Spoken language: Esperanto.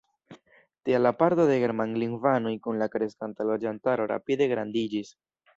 Tial la parto de la germanlingvanoj kun la kreskanta loĝantaro rapide grandiĝis.